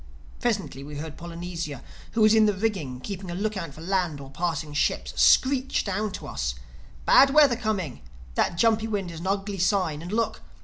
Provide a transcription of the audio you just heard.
Presently we heard Polynesia, who was in the rigging keeping a look out for land or passing ships, screech down to us, "Bad weather coming. That jumpy wind is an ugly sign. And look!